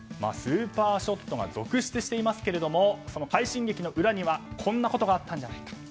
スーパーショットが続出していますがその快進撃の裏にはこんなことがあったんじゃないか。